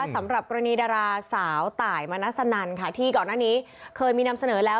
สำหรับกรณีดาราสาวตายมณัสนันค่ะที่ก่อนหน้านี้เคยมีนำเสนอแล้ว